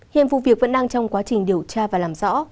hiện vụ việc vẫn đang trong quá trình điều tra và làm rõ